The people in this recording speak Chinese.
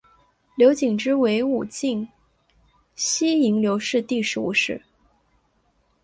刘谨之为武进西营刘氏第十五世。